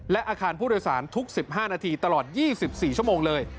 และอาคารผู้โดยสารทุก๑๕นาทีตลอด๒๔ชั่วโมงเลย